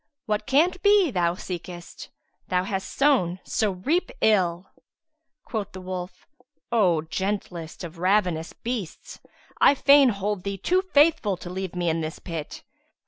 What can't be thou seekest; * Thou hast sown so reap Ill!" Quoth the wolf, "O gentlest of ravenous beasts, I fain hold thee too faithful to leave me in this pit."